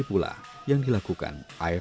ini pula yang dilakukan airly rasinah